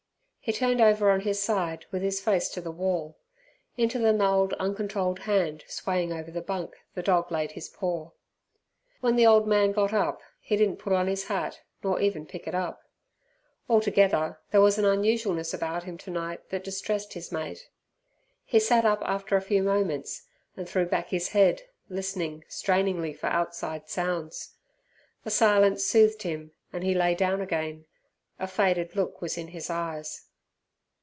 He turned over on his side, with his face to the wall. Into the gnarled uncontrolled hand swaying over the bunk the dog laid his paw. When the old man got up, he didn't put on his hat nor even pick it up. Altogether there was an unusualness about him tonight that distressed his mate. He sat up after a few moments, and threw back his head, listening strainingly for outside sounds. The silence soothed him, and he lay down again. A faded look was in his eyes.